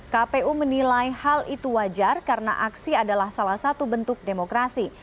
kpu menilai hal itu wajar karena aksi adalah salah satu bentuk demokrasi